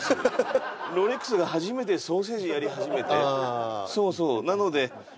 ロレックスが初めてソーセージやり始めてそうそうなのでねえ